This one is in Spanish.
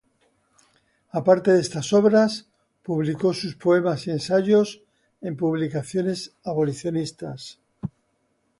Aparte de estas obras, publicó sus poemas y ensayos en publicaciones abolicionistas.